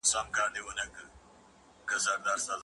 د قومونو مشرانو د رسولانو او نبيانو سره شخړي کړي دي.